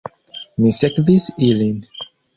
Mi sekvis ilin.